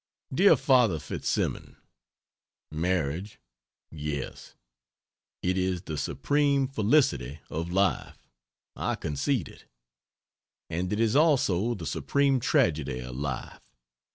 DEAR FATHER FITZ SIMON, Marriage yes, it is the supreme felicity of life, I concede it. And it is also the supreme tragedy of life.